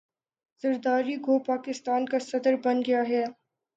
ذرداری گو پاکستان کا صدر بن گیا ہے